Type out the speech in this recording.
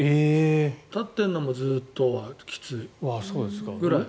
立ってるのもずっとはきついぐらい。